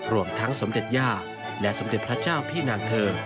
รวมทั้งสมเด็จย่าและสมเด็จพระเจ้าพี่นางเธอ